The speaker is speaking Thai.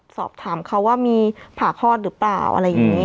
สอบถามเขาว่ามีผ่าคลอดหรือเปล่าอะไรอย่างนี้